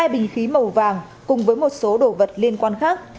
hai bình khí màu vàng cùng với một số đồ vật liên quan khác